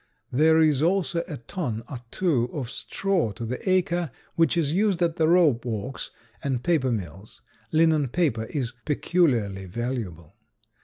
There is also a ton or two of straw to the acre, which is used at the rope walks and paper mills. Linen paper is peculiarly valuable.